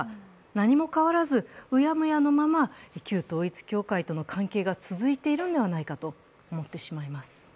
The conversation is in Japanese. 何も変わらずうやむやのまま、旧統一教会との関係が続いているのではないかと思ってしまいます。